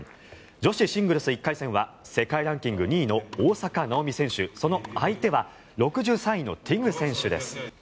女子シングルス１回戦は世界ランキング２位の大坂なおみ選手、その相手は６３位のティグ選手です。